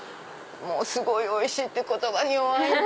すごいおいしいって言葉に弱い。